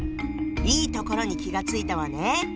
いいところに気が付いたわね！